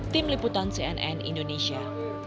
tim liputan cnn indonesia